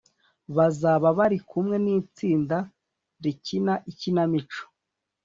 bazaba barikumwe n’itsinda rikina ikinamico